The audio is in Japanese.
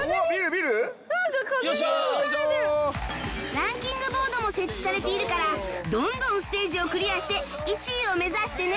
ランキングボードも設置されているからどんどんステージをクリアして１位を目指してね